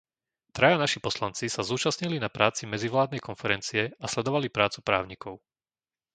Traja naši poslanci sa zúčastnili na práci medzivládnej konferencie a sledovali prácu právnikov.